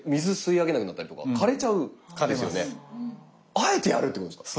あえてやるってことですか？